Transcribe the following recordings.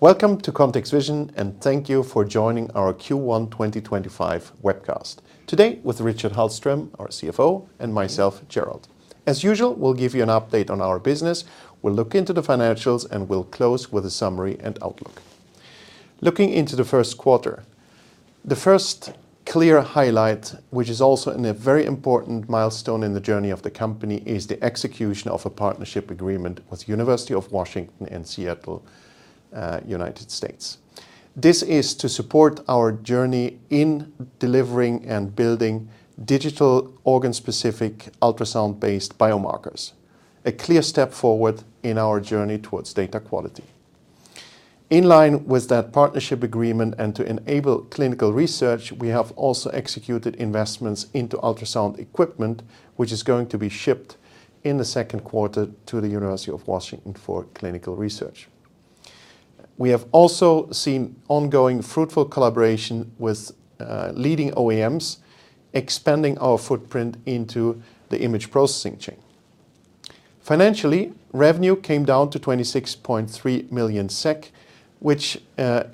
Welcome to Context Vision, and thank you for joining our Q1 2025 webcast. Today, with Richard Hallström, our CFO, and myself, Gerald. As usual, we'll give you an update on our business, we'll look into the financials, and we'll close with a summary and outlook. Looking into the first quarter, the first clear highlight, which is also a very important milestone in the journey of the company, is the execution of a partnership agreement with the University of Washington in Seattle, United States. This is to support our journey in delivering and building digital organ-specific ultrasound-based biomarkers, a clear step forward in our journey towards data quality. In line with that partnership agreement and to enable clinical research, we have also executed investments into ultrasound equipment, which is going to be shipped in the second quarter to the University of Washington for clinical research. We have also seen ongoing fruitful collaboration with leading OEMs, expanding our footprint into the image processing chain. Financially, revenue came down to 26.3 million SEK, which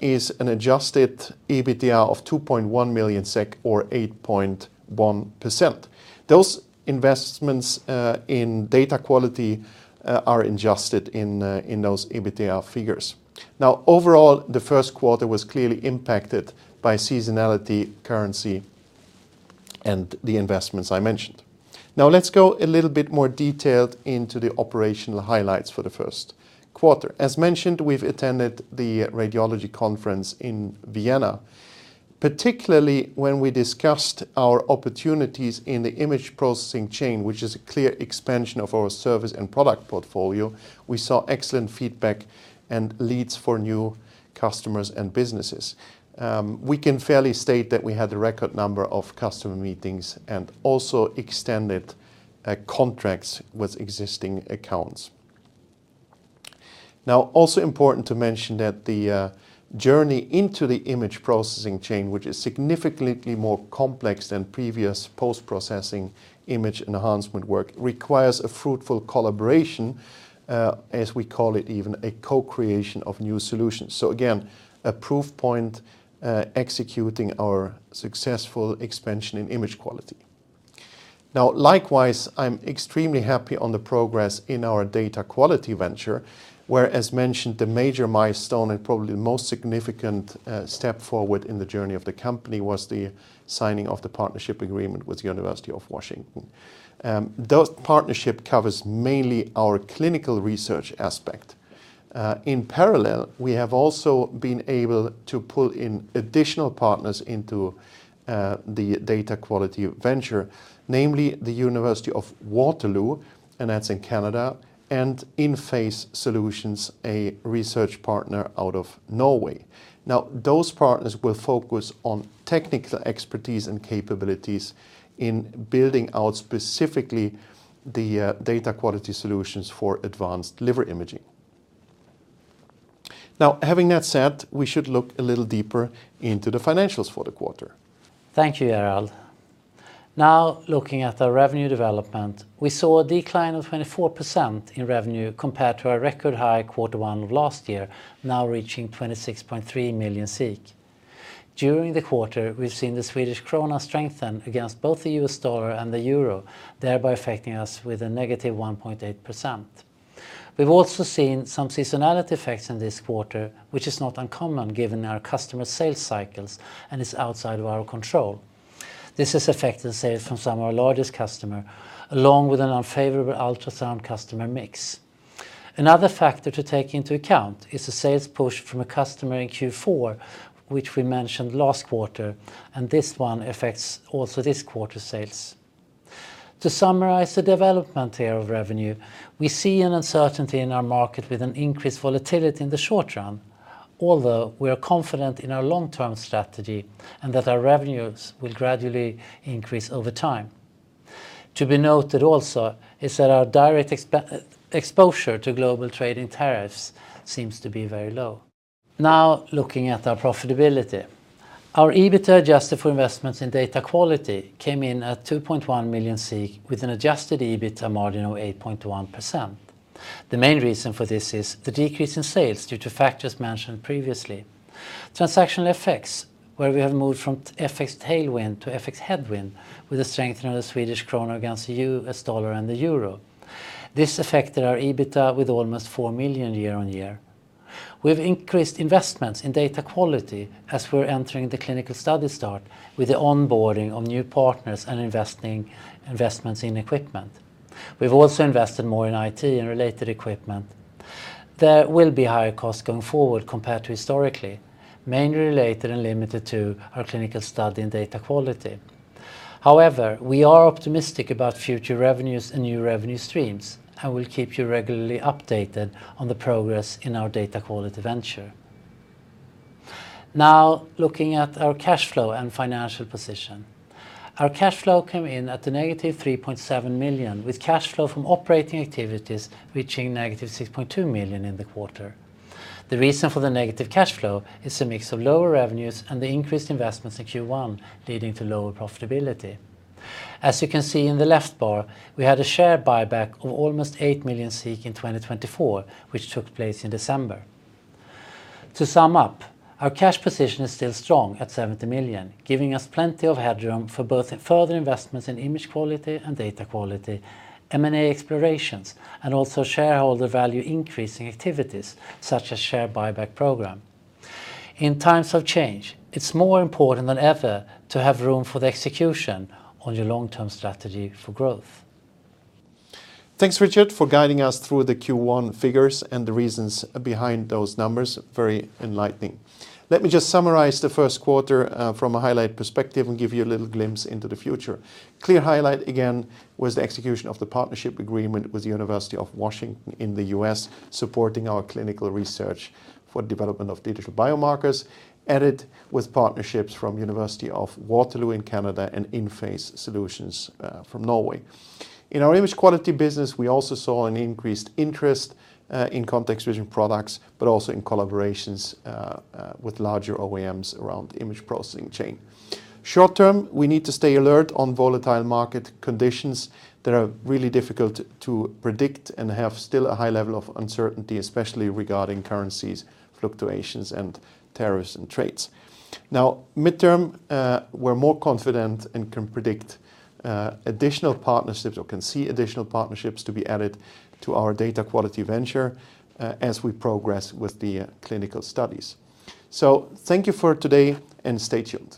is an adjusted EBITDA of 2.1 million SEK, or 8.1%. Those investments in data quality are adjusted in those EBITDA figures. Now, overall, the first quarter was clearly impacted by seasonality, currency, and the investments I mentioned. Now, let's go a little bit more detailed into the operational highlights for the first quarter. As mentioned, we've attended the Radiology Conference in Vienna, particularly when we discussed our opportunities in the image processing chain, which is a clear expansion of our service and product portfolio. We saw excellent feedback and leads for new customers and businesses. We can fairly state that we had a record number of customer meetings and also extended contracts with existing accounts. Now, also important to mention that the journey into the image processing chain, which is significantly more complex than previous post-processing image enhancement work, requires a fruitful collaboration, as we call it even, a co-creation of new solutions. Again, a proof point executing our successful expansion in image quality. Likewise, I'm extremely happy on the progress in our data quality venture, where, as mentioned, the major milestone and probably the most significant step forward in the journey of the company was the signing of the partnership agreement with the University of Washington. That partnership covers mainly our clinical research aspect. In parallel, we have also been able to pull in additional partners into the data quality venture, namely the University of Waterloo, and that's in Canada, and InPhase Solutions, a research partner out of Norway. Now, those partners will focus on technical expertise and capabilities in building out specifically the data quality solutions for advanced liver imaging. Now, having that said, we should look a little deeper into the financials for the quarter. Thank you, Gerald. Now, looking at our revenue development, we saw a decline of 24% in revenue compared to our record high quarter one of last year, now reaching 26.3 million. During the quarter, we've seen the Swedish krona strengthen against both the U.S. Dollar and the euro, thereby affecting us with a negative 1.8%. We've also seen some seasonality effects in this quarter, which is not uncommon given our customer sales cycles and is outside of our control. This has affected sales from some of our largest customers, along with an unfavorable ultrasound customer mix. Another factor to take into account is the sales push from a customer in Q4, which we mentioned last quarter, and this one affects also this quarter's sales. To summarize the development here of revenue, we see an uncertainty in our market with an increased volatility in the short run, although we are confident in our long-term strategy and that our revenues will gradually increase over time. To be noted also is that our direct exposure to global trading tariffs seems to be very low. Now, looking at our profitability, our EBITDA adjusted for investments in data quality came in at 2.1 million with an adjusted EBITDA margin of 8.1%. The main reason for this is the decrease in sales due to factors mentioned previously. Transactional effects, where we have moved from FX tailwind to FX headwind with the strengthening of the Swedish krona against the U.S. Dollar and the euro. This affected our EBITDA with almost 4 million year on year. We've increased investments in data quality as we're entering the clinical study start with the onboarding of new partners and investing in equipment. We've also invested more in IT and related equipment. There will be higher costs going forward compared to historically, mainly related and limited to our clinical study and data quality. However, we are optimistic about future revenues and new revenue streams, and we'll keep you regularly updated on the progress in our data quality venture. Now, looking at our cash flow and financial position. Our cash flow came in at a negative 3.7 million, with cash flow from operating activities reaching negative 6.2 million in the quarter. The reason for the negative cash flow is a mix of lower revenues and the increased investments in Q1, leading to lower profitability. As you can see in the left bar, we had a share buyback of almost 8 million in 2024, which took place in December. To sum up, our cash position is still strong at 70 million, giving us plenty of headroom for both further investments in image quality and data quality, M&A explorations, and also shareholder value increasing activities such as share buyback program. In times of change, it's more important than ever to have room for the execution on your long-term strategy for growth. Thanks, Richard, for guiding us through the Q1 figures and the reasons behind those numbers. Very enlightening. Let me just summarize the first quarter from a highlight perspective and give you a little glimpse into the future. Clear highlight again was the execution of the partnership agreement with the University of Washington in the U.S., supporting our clinical research for the development of digital biomarkers, added with partnerships from the University of Waterloo in Canada and InPhase Solutions from Norway. In our image quality business, we also saw an increased interest in ContextVision products, but also in collaborations with larger OEMs around the image processing chain. Short term, we need to stay alert on volatile market conditions that are really difficult to predict and have still a high level of uncertainty, especially regarding currencies, fluctuations, and tariffs and trades. Now, midterm, we're more confident and can predict additional partnerships or can see additional partnerships to be added to our data quality venture as we progress with the clinical studies. Thank you for today and stay tuned.